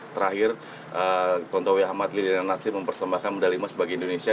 terakhir tontowi ahmad lidina natsi mempersembahkan medali mas sebagai indonesia